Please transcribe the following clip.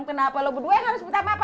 kenapa lo berdua yang harus buta mama mama